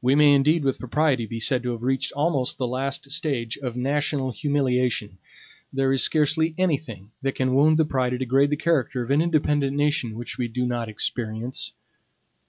We may indeed with propriety be said to have reached almost the last stage of national humiliation. There is scarcely anything that can wound the pride or degrade the character of an independent nation which we do not experience.